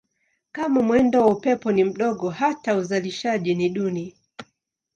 Kama mwendo wa upepo ni mdogo hata uzalishaji ni duni.